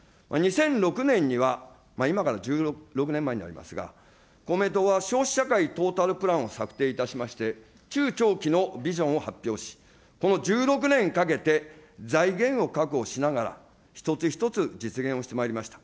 ２００６年には、今から１６年前になりますが、公明党は少子社会トータルプランを策定いたしまして、中長期のビジョンを発表し、この１６年かけて、財源を確保しながら、一つ一つ実現をしてまいりました。